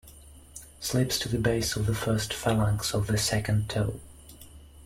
Slips to the base of the first phalanx of the second toe.